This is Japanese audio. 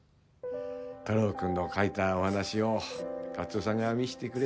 太郎くんの書いたお話を勝夫さんが見してくれて。